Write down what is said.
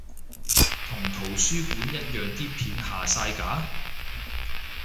同圖書館一樣啲片下晒架？